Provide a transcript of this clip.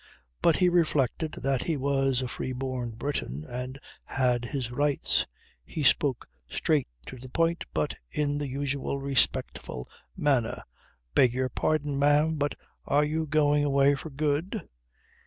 But he reflected that he was a free born Briton and had his rights. He spoke straight to the point but in the usual respectful manner. "Beg you pardon, ma'am but are you going away for good?"